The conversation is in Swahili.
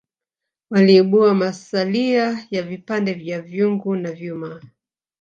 waliibua masalia ya vipande vya vyungu na vyuma